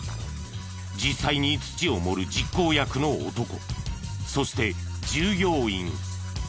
実際に土を盛る実行役の男そして従業員。